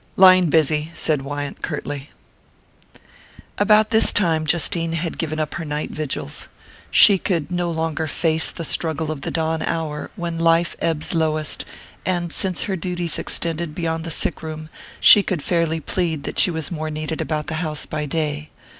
"Line busy," said Wyant curtly. About this time, Justine gave up her night vigils. She could no longer face the struggle of the dawn hour, when life ebbs lowest; and since her duties extended beyond the sick room she could fairly plead that she was more needed about the house by day.